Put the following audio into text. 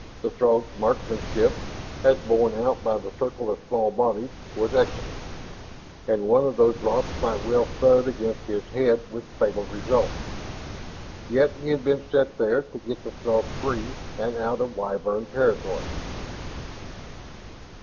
The Throg's marksmanship, as borne out by the circle of small bodies, was excellent. And one of those rocks might well thud against his own head, with fatal results. Yet he had been sent there to get the Throg free and out of Wyvern territory.